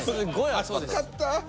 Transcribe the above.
暑かった！